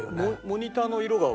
モニターの色が。